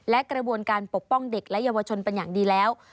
และกระบวนการปกป้องเด็กและเยาวชนเป็นอย่างดีแล้ว